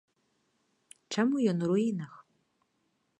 Чаму ён у руінах?